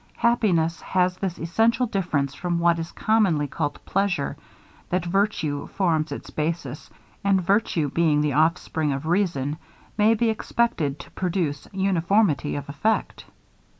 Happiness has this essential difference from what is commonly called pleasure, that virtue forms its basis, and virtue being the offspring of reason, may be expected to produce uniformity of effect.